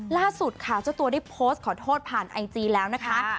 ล่าสุดค่ะเจ้าตัวได้โพสต์ขอโทษผ่านไอจีแล้วนะคะ